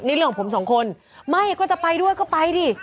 นี่เรื่องของผมสองคนไม่ก็จะไปด้วยก็ไปดิ